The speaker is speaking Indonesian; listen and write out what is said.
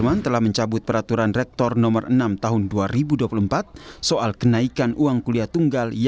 masih keberatan dengan uang kuliah tunggal